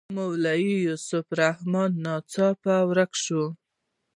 مولوي سیف الرحمن ناڅاپه ورک شو.